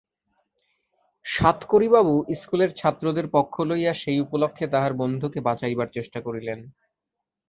সাতকড়িবাবু ইস্কুলের ছাত্রদের পক্ষ লইয়া সেই উপলক্ষে তাঁহার বন্ধুকে বাঁচাইবার চেষ্টা করিলেন।